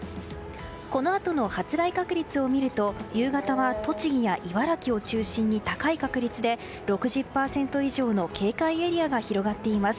このあとの発雷確率を見ると夕方は栃木や茨城を中心に高い確率で６０％以上の警戒エリアが広がっています。